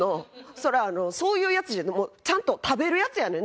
それあのそういうやつじゃちゃんと食べるやつやねん。